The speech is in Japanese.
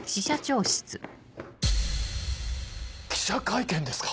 記者会見ですか？